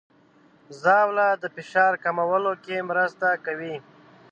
ژاوله د فشار کمولو کې مرسته کوي.